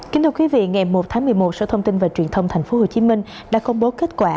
kính thưa quý vị ngày một tháng một mươi một sở thông tin và truyền thông tp hcm đã công bố kết quả